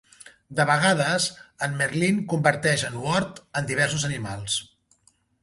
De vegades, en Merlyn converteix en Wart en diversos animals.